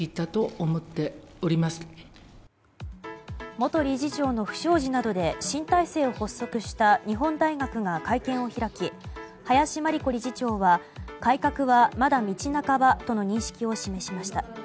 元理事長の不祥事などで新体制を発足した日本大学が会見を開き林真理子理事長は改革は、まだ道半ばとの認識を示しました。